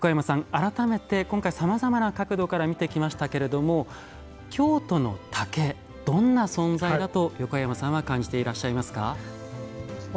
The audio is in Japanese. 改めて今回さまざまな角度から見てきましたけれども京都の竹どんな存在だと横山さんは感じていらっしゃいますか？